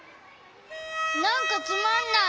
なんかつまんない。